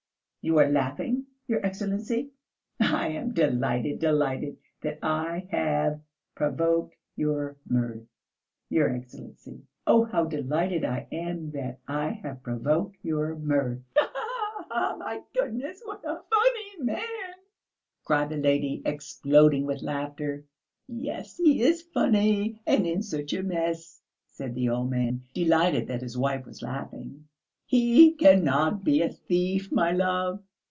You are laughing, your Excellency. I am delighted, delighted that I have provoked your mirth, your Excellency. Oh, how delighted I am that I have provoked your mirth." "My goodness, what a funny man!" cried the lady, exploding with laughter. "Yes, he is funny, and in such a mess," said the old man, delighted that his wife was laughing. "He cannot be a thief, my love.